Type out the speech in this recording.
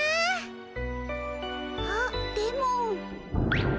あっでも。